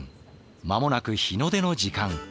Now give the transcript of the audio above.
間もなく日の出の時間。